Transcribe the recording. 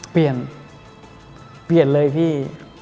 เปลี่ยนเปลี่ยนเลยพี่